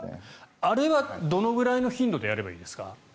あれはどのくらいの頻度でやればいいですか？